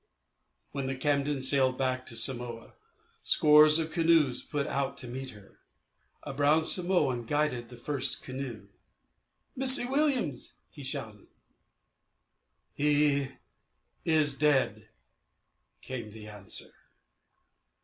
When The Camden sailed back to Samoa, scores of canoes put out to meet her. A brown Samoan guided the first canoe. "Missi William," he shouted. "He is dead," came the answer.